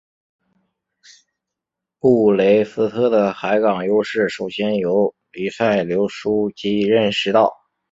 布雷斯特的海港优势首先由黎塞留枢机认识到。